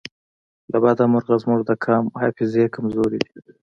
له بده مرغه زموږ د قام حافظې کمزورې دي